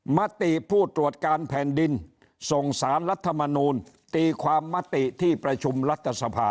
มติผู้ตรวจการแผ่นดินส่งสารรัฐมนูลตีความมติที่ประชุมรัฐสภา